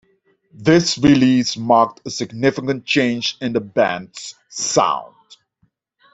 This release marked a significant change in the band's sound.